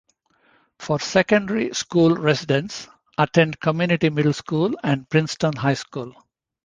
For secondary school residents attend Community Middle School and Princeton High School.